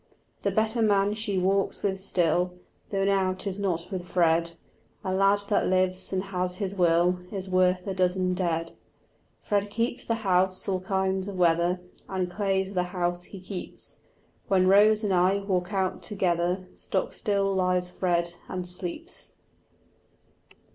The better man she walks with still, Though now 'tis not with Fred: A lad that lives and has his will Is worth a dozen dead. Fred keeps the house all kinds of weather, And clay's the house he keeps; When Rose and I walk out together Stock still lies Fred and sleeps.